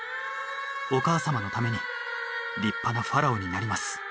お母様のために立派なファラオになります。